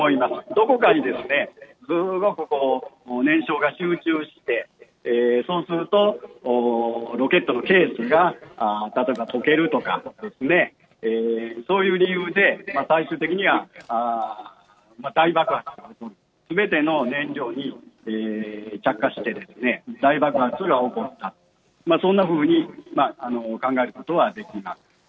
どこかに燃焼が集中して、そうすると、ロケットの計器が例えば溶けるとか、そういう理由で、最終的には大爆発、すべての燃料に着火して、大爆発が起こった、そんなふうに考えることはできます。